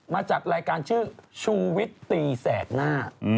มาจากรายการชื่อชูวิทตีแสดหน้า